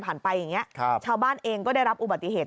ไปอย่างนี้ชาวบ้านเองก็ได้รับอุบัติเหตุ